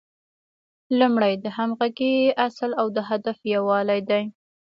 لومړی د همغږۍ اصل او د هدف یووالی دی.